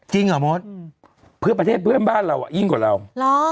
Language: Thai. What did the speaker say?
จริงเหรอมศอืมประเทศเพื่อนบ้านเราอ่ะยิ่งกว่าเราเหรอ